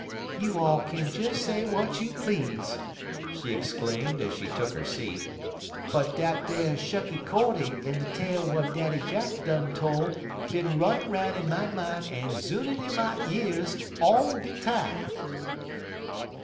"You all kin des say w'at you please," she exclaimed, as she took her seat, "but dat ar Shucky Cordy in de tale w'at Daddy Jack done tole, bin runnin' 'roun' in my min' en zoonin 'in my years all de time."